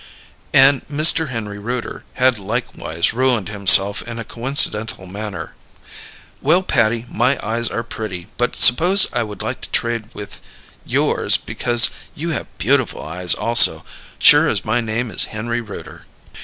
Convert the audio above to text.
_" And Mr. Henry Rooter had likewise ruined himself in a coincidental manner: "_Well Patty my eyes are pretty but suppose I would like to trade with yours because you have beautiful eyes also, sure as my name is Henry Rooter.